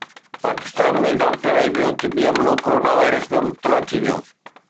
Pakistan ۾ doctor ۽ ٻيو طبي عملو ڪورونا وائرس ۾ مبتلا ٿي ويو